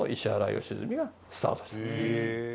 へえ。